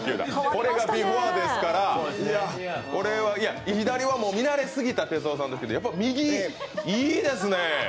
これがビフォーですから、左は見慣れすぎた哲夫さんですけど、やっぱり右、いいですね。